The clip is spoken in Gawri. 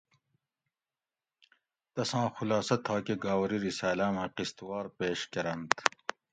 تساں خُلاصہ تھاکہ گاؤری رساَلاۤ مئ قسط وار پیش کۤرنت